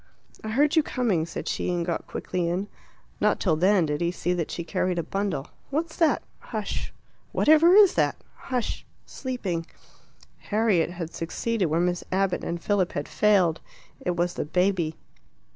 "I heard you coming," said she, and got quickly in. Not till then did he see that she carried a bundle. "What's that?" "Hush " "Whatever is that?" "Hush sleeping." Harriet had succeeded where Miss Abbott and Philip had failed. It was the baby.